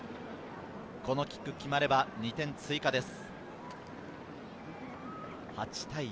このキックが決まれば２点追加です。